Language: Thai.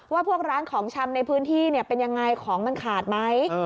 ว่าพวกร้านของชำในพื้นที่เป็นยังไงของมันขาดไหม